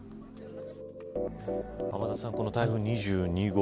天達さん、この台風２２号